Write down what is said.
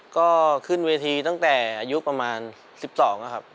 ก็ขึ้นเวทีตั้งแต่อายุประมาณ๑๒นะครับ